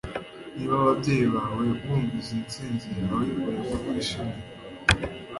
Niba ababyeyi bawe bumvise intsinzi yawe, bari kukwishimira